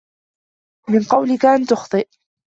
مِنْ قَوْلِك أَنْ تُخْطِئَ